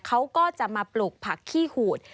เขาก็จะมาปลูกผักขี้หูด